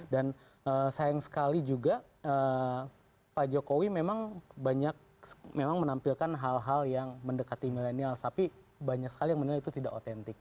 dan sayang sekali juga pak jokowi memang banyak memang menampilkan hal hal yang mendekati milenial tapi banyak sekali yang menilai itu tidak otentik